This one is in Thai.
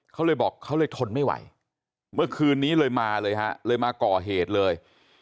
เขาเลยบอกเขาเลยทนไม่ไหวเมื่อคืนนี้เลยมาเลยฮะเลยมาก่อเหตุเลย